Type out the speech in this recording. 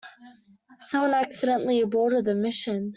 Someone accidentally aborted the mission.